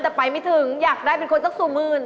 แต่ไปไม่ถึงอยากได้เป็นคนสักสองหมื่น